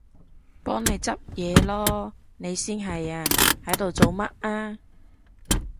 幫你執嘢囉！你先係啊，喺度做乜啊？